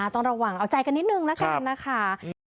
ต้องระวังเอาใจกันนิดนึงนะคะ